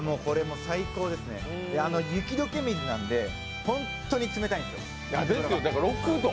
最高ですね、雪解け水なんで、本当に冷たいんですよ。